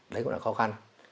đấy cũng là khó khăn